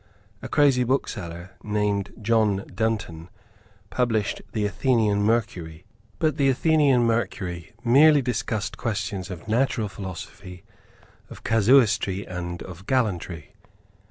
A crazy bookseller, named John Dunton, published the Athenian Mercury; but the Athenian Mercury merely discussed questions of natural philosophy, of casuistry and of gallantry.